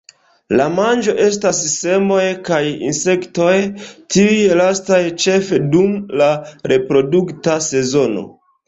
La manĝo estas semoj kaj insektoj, tiuj lastaj ĉefe dum la reprodukta sezono.